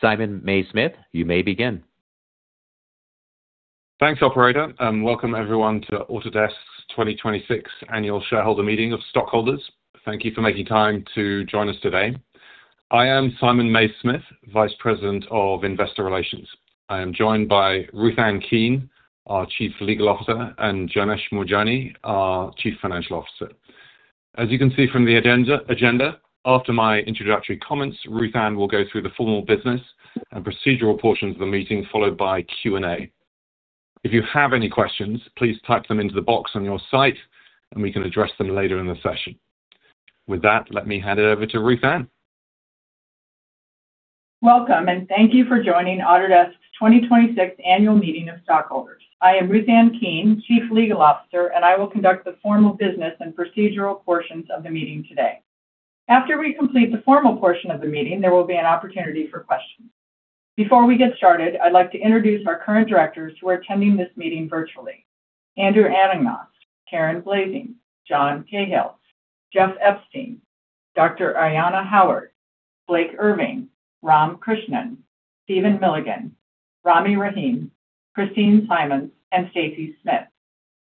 Simon Mays-Smith, you may begin. Thanks, operator, and welcome everyone to Autodesk's 2026 Annual Shareholder Meeting of Stockholders. Thank you for making time to join us today. I am Simon Mays-Smith, Vice President of Investor Relations. I am joined by Ruth Ann Keene, our Chief Legal Officer, and Janesh Moorjani, our Chief Financial Officer. As you can see from the agenda, after my introductory comments, Ruth Ann will go through the formal business and procedural portions of the meeting, followed by Q&A. If you have any questions, please type them into the box on your side, and we can address them later in the session. With that, let me hand it over to Ruth Ann. Welcome, and thank you for joining Autodesk's 2026 Annual Meeting of Stockholders. I am Ruth Ann Keene, Chief Legal Officer, and I will conduct the formal business and procedural portions of the meeting today. After we complete the formal portion of the meeting, there will be an opportunity for questions. Before we get started, I'd like to introduce our current directors who are attending this meeting virtually. Andrew Anagnost, Karen Blasing, John Cahill, Jeff Epstein, Dr. Ayanna Howard, Blake Irving, Ram Krishnan, Stephen Milligan, Rami Rahim, Christine Simons, and Stacy Smith.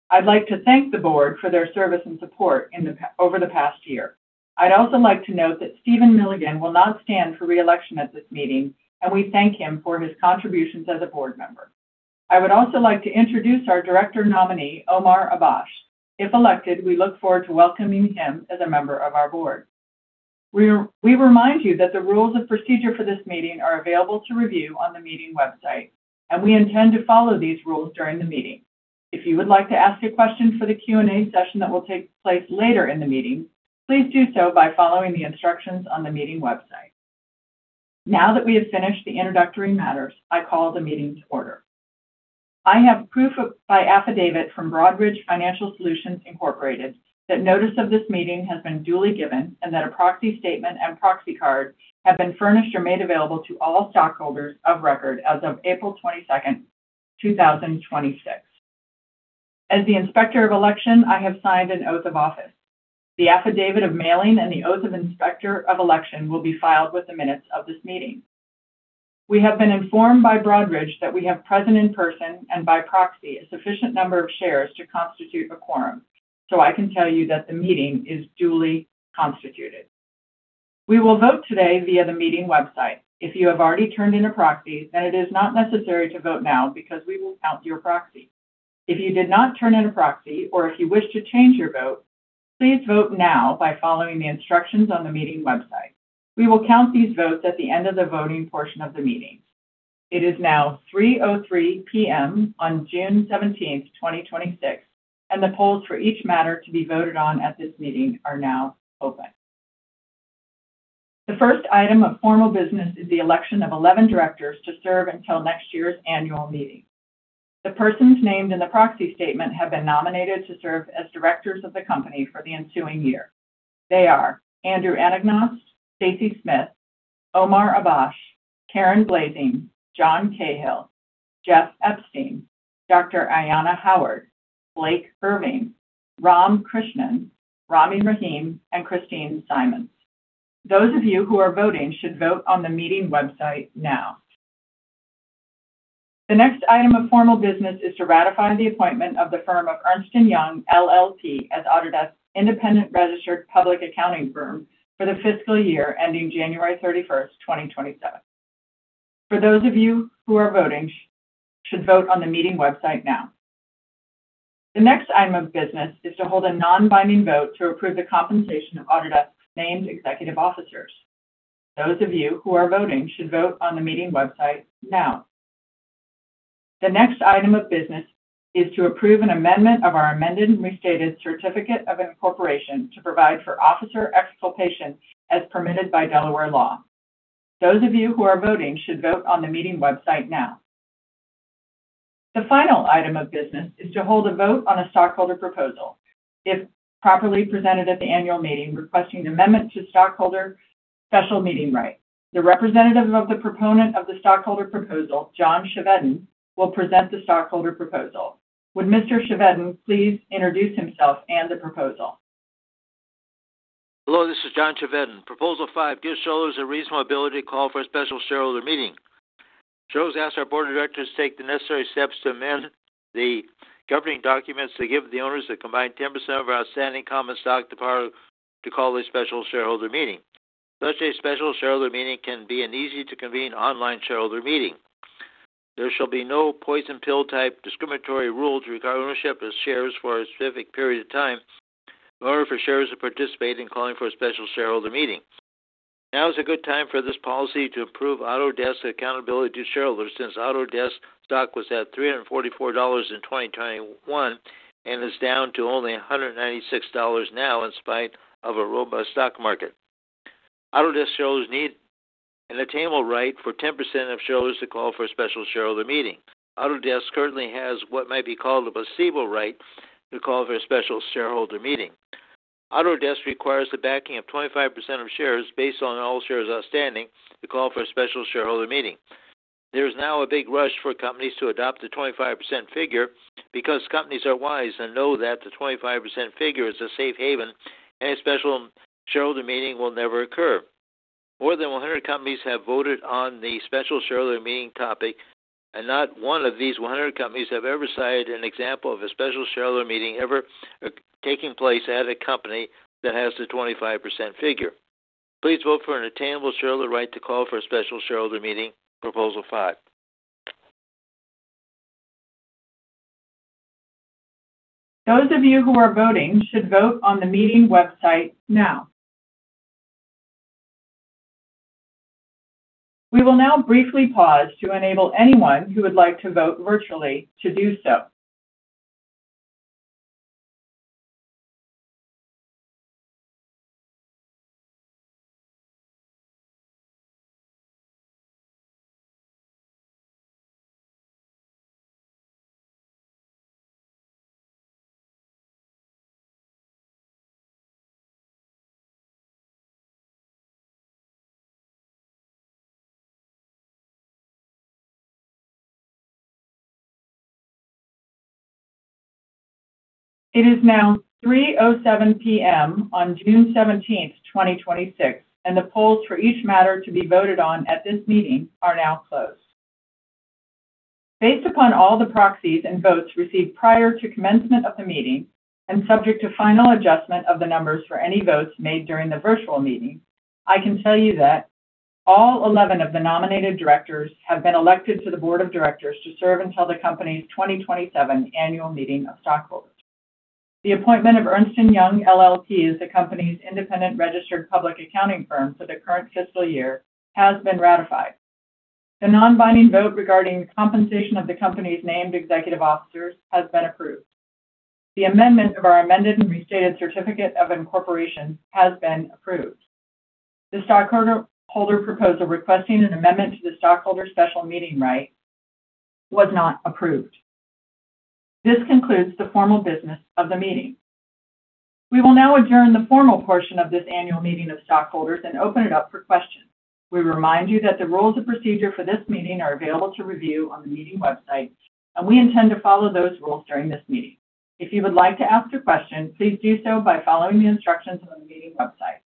I'd like to thank the board for their service and support over the past year. I'd also like to note that Stephen Milligan will not stand for re-election at this meeting, and we thank him for his contributions as a board member. I would also like to introduce our director nominee, Omar Abbosh. If elected, we look forward to welcoming him as a member of our board. We remind you that the rules of procedure for this meeting are available to review on the meeting website, and we intend to follow these rules during the meeting. If you would like to ask a question for the Q&A session that will take place later in the meeting, please do so by following the instructions on the meeting website. That we have finished the introductory matters, I call the meeting to order. I have proof by affidavit from Broadridge Financial Solutions Incorporated that notice of this meeting has been duly given and that a proxy statement and proxy card have been furnished or made available to all stockholders of record as of April 22nd, 2026. As the Inspector of Election, I have signed an oath of office. The affidavit of mailing and the oath of Inspector of Election will be filed with the minutes of this meeting. We have been informed by Broadridge that we have present in person and by proxy a sufficient number of shares to constitute a quorum, so I can tell you that the meeting is duly constituted. We will vote today via the meeting website. If you have already turned in a proxy, then it is not necessary to vote now because we will count your proxy. If you did not turn in a proxy or if you wish to change your vote, please vote now by following the instructions on the meeting website. We will count these votes at the end of the voting portion of the meeting. It is now 3:03 P.M. on June 17th, 2026, and the polls for each matter to be voted on at this meeting are now open. The first item of formal business is the election of 11 directors to serve until next year's annual meeting. The persons named in the proxy statement have been nominated to serve as directors of the company for the ensuing year. They are Andrew Anagnost, Stacy Smith, Omar Abbosh, Karen Blasing, John Cahill, Jeff Epstein, Dr. Ayanna Howard, Blake Irving, Ram Krishnan, Rami Rahim, and Christine Simons. Those of you who are voting should vote on the meeting website now. The next item of formal business is to ratify the appointment of the firm of Ernst & Young LLP as Autodesk's independent registered public accounting firm for the fiscal year ending January 31st, 2027. For those of you who are voting, should vote on the meeting website now. The next item of business is to hold a non-binding vote to approve the compensation of Autodesk's named executive officers. Those of you who are voting should vote on the meeting website now. The next item of business is to approve an amendment of our amended and restated certificate of incorporation to provide for officer exculpation as permitted by Delaware law. Those of you who are voting should vote on the meeting website now. The final item of business is to hold a vote on a stockholder proposal. If properly presented at the annual meeting requesting an amendment to stockholder special meeting rights. The representative of the proponent of the stockholder proposal, John Chevedden, will present the stockholder proposal. Would Mr. Chevedden please introduce himself and the proposal? Hello, this is John Chevedden. Proposal five, give shareholders a reasonable ability to call for a special shareholder meeting. Shareholders ask our board of directors to take the necessary steps to amend the governing documents to give the owners that combine 10% of our outstanding common stock the power to call a special shareholder meeting. Such a special shareholder meeting can be an easy-to-convene online shareholder meeting. There shall be no poison pill type discriminatory rule to require ownership of shares for a specific period of time in order for shareholders to participate in calling for a special shareholder meeting. Now is a good time for this policy to improve Autodesk accountability to shareholders since Autodesk stock was at $344 in 2021 and is down to only $196 now in spite of a robust stock market. Autodesk shareholders need an attainable right for 10% of shareholders to call for a special shareholder meeting. Autodesk currently has what might be called a placebo right to call for a special shareholder meeting. Autodesk requires the backing of 25% of shares based on all shares outstanding to call for a special shareholder meeting. There's now a big rush for companies to adopt the 25% figure because companies are wise and know that the 25% figure is a safe haven, a special shareholder meeting will never occur. More than 100 companies have voted on the special shareholder meeting topic, not one of these 100 companies have ever cited an example of a special shareholder meeting ever taking place at a company that has the 25% figure. Please vote for an attainable shareholder right to call for a special shareholder meeting, proposal 5. Those of you who are voting should vote on the meeting website now. We will now briefly pause to enable anyone who would like to vote virtually to do so. It is now 3:07 P.M. on June 17th, 2026, the polls for each matter to be voted on at this meeting are now closed. Based upon all the proxies and votes received prior to commencement of the meeting, subject to final adjustment of the numbers for any votes made during the virtual meeting, I can tell you that all 11 of the nominated directors have been elected to the board of directors to serve until the company's 2027 annual meeting of stockholders. The appointment of Ernst & Young LLP as the company's independent registered public accounting firm for the current fiscal year has been ratified. The non-binding vote regarding compensation of the company's named executive officers has been approved. The amendment of our amended and restated certificate of incorporation has been approved. The stockholder proposal requesting an amendment to the stockholder special meeting right was not approved. This concludes the formal business of the meeting. We will now adjourn the formal portion of this annual meeting of stockholders and open it up for questions. We remind you that the rules of procedure for this meeting are available to review on the meeting website, we intend to follow those rules during this meeting. If you would like to ask a question, please do so by following the instructions on the meeting website.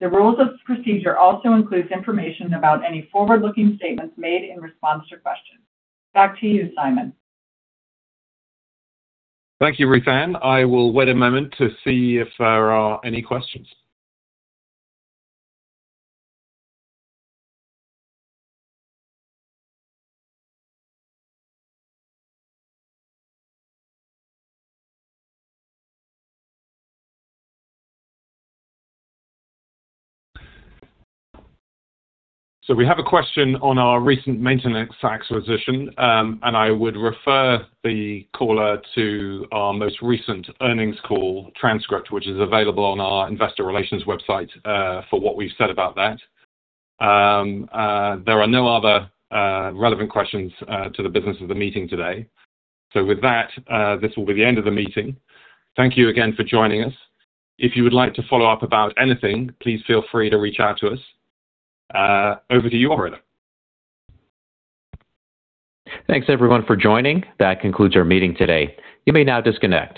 The rules of procedure also includes information about any forward-looking statements made in response to questions. Back to you, Simon. Thank you, Ruth Ann. I will wait a moment to see if there are any questions. We have a question on our recent MaintainX acquisition. I would refer the caller to our most recent earnings call transcript, which is available on our investor relations website, for what we've said about that. There are no other relevant questions to the business of the meeting today. With that, this will be the end of the meeting. Thank you again for joining us. If you would like to follow up about anything, please feel free to reach out to us. Over to you, operator. Thanks everyone for joining. That concludes our meeting today. You may now disconnect.